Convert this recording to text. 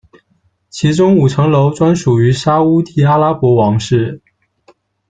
其中五层楼专属于沙乌地阿拉伯王室。